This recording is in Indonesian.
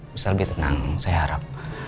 bisa lebih tenang yang saya harap